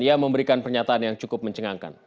ia memberikan pernyataan yang cukup mencengangkan